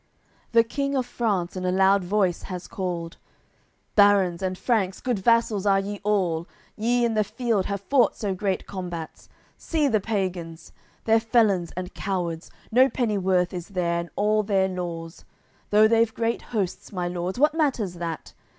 The King of France in a loud voice has called: "Barons and Franks, good vassals are ye all, Ye in the field have fought so great combats; See the pagans; they're felons and cowards, No pennyworth is there in all their laws. Though they've great hosts, my lords, what matters that?